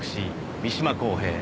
三島公平